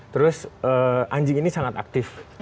terus anjing ini sangat aktif